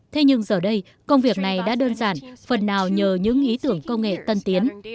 thế nhưng giờ đây công việc này đã đơn giản phần nào nhờ những ý tưởng công nghệ tân tiến